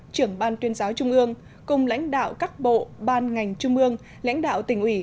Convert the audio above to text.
trưởng ban tuyên giáo trung ương cùng lãnh đạo các bộ ban ngành trung ương lãnh đạo tỉnh ủy